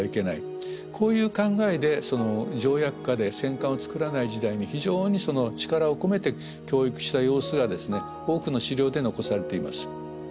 こういう考えで条約下で戦艦を造らない時代に非常に力を込めて教育した様子がですね多くの史料で残されています。